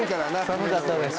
寒かったです